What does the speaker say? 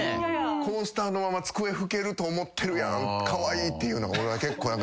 コースターのまま机拭けると思ってるやんカワイイっていうのが俺は結構。